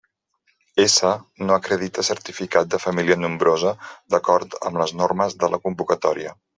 S: no acredita certificat de família nombrosa d'acord amb les normes de la convocatòria.